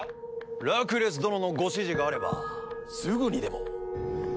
ラクレス殿のご指示があればすぐにでも。